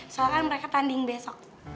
soalnya mereka tanding besok